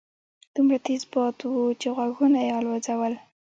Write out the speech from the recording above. دومره تېز باد وو چې غوږونه يې الوځول.